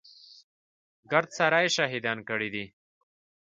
ګرد سره يې شهيدان کړي دي.